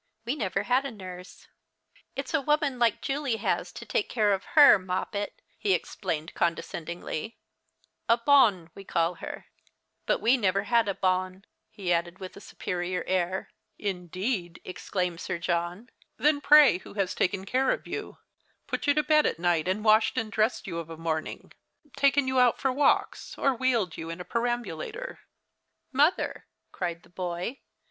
We never had a nurse. It's a woman like Julie has to take care of 110 The Christmas Hirelings. her, Moi^pet," he explained condescendingly—" a honne we call her. But we've never had a tonne" he added with a superior air. " Indeed," exclaimed Sir John ;" then pray who has taken care of you, put you to bed at night, and washed and dressed you of a morning, taken you out for walks, or wheeled you in a perambulator ?" "Mother," cried the boy.